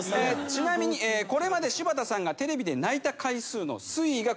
ちなみにこれまで柴田さんがテレビで泣いた回数の推移がこちら。